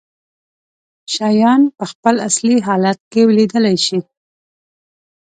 شيان په خپل اصلي حالت کې ولیدلی شي.